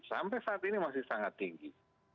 sampai saat ini masih sangat tinggi